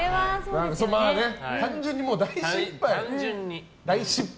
単純に大失敗。